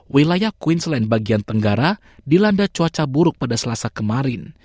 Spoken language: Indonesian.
wilayah queensland bagian tenggara dilanda cuaca buruk pada selasa kemarin